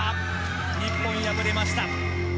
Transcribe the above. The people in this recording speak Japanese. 日本、敗れました。